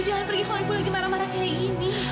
jangan pergi kalau ibu lagi marah marah kayak gini